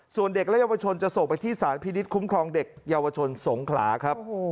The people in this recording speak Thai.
ส่วนเด็กและเยาวชนจะส่งไปที่สารพินิษฐคุ้มครองเด็กเยาวชนสงขลาครับ